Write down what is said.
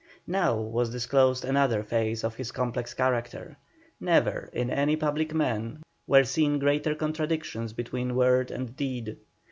Now was disclosed another phase of his complex character; never in any public man were seen greater contradictions between word and deed.